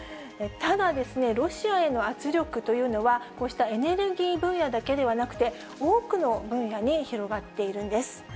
ただ、ロシアへの圧力というのは、こうしたエネルギー分野だけではなくて、多くの分野に広がっているんです。